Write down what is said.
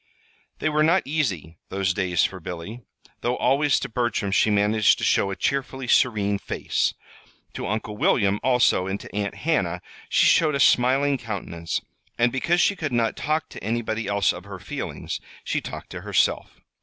They were not easy those days for Billy, though always to Bertram she managed to show a cheerfully serene face. To Uncle William, also, and to Aunt Hannah she showed a smiling countenance; and because she could not talk to anybody else of her feelings, she talked to herself.